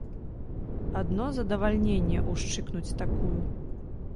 Адно задавальненне ўшчыкнуць такую!